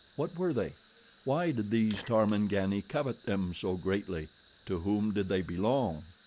What were they? Why did these Tarmangani covet them so greatly? To whom did they belong?